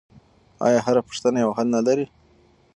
آیا هره پوښتنه یو حل نه لري؟